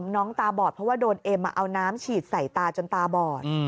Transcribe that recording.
น้องตาบอดเพราะว่าโดนเอ็มเอาน้ำฉีดใส่ตาจนตาบอด